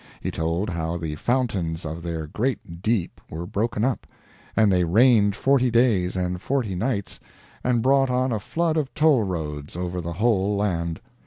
He told how the fountains of their great deep were broken up, and they rained forty days and forty nights, and brought on a flood of toll roads over the whole land.